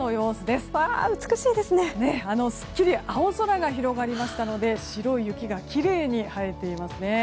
すっきり青空が広がりましたので白い雪がきれいに映えていますね。